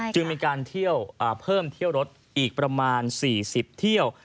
จึงมีการเที่ยวเพิ่มเที่ยวรถอีกประมาณ๔๐เที่ยว